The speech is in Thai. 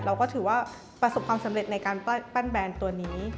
เราก็ถือว่าประสบความสำเร็จในการปั้นแบรนด์ตัวนี้